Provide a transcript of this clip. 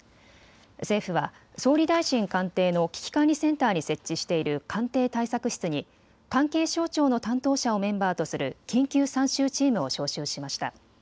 政府は総理大臣官邸の危機管理センターに設置している官邸対策室に関係省庁の担当者をメンバーとする緊急参集チームを招集しました。